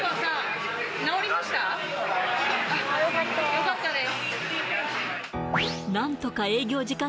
よかったです